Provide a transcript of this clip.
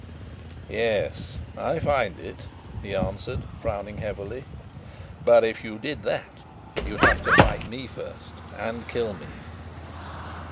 "Yes, I find it," he answered, frowning heavily. "But if you did that, you'd have to fight me first and kill me."